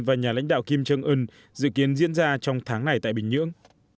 và nhà lãnh đạo kim trương ưn dự kiến diễn ra trong tháng này tại bình nhưỡng